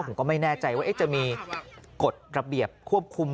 ผมก็ไม่แน่ใจว่าจะมีกฎระเบียบควบคุม